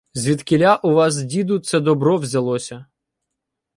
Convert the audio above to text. — Звідкіля у вас, діду, це добро взялося?